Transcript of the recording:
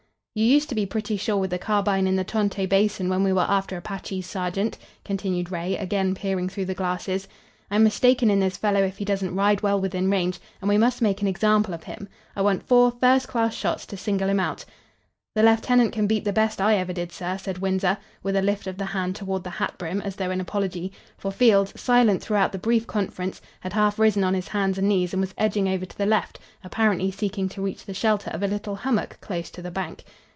"You used to be pretty sure with the carbine in the Tonto Basin when we were after Apaches, sergeant," continued Ray, again peering through the glasses. "I'm mistaken in this fellow if he doesn't ride well within range, and we must make an example of him. I want four first class shots to single him out." "The lieutenant can beat the best I ever did, sir," said Winsor, with a lift of the hand toward the hat brim, as though in apology, for Field, silent throughout the brief conference, had half risen on his hands and knees and was edging over to the left, apparently seeking to reach the shelter of a little hummock close to the bank.